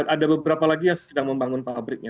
ada beberapa lagi yang sedang membangun pabriknya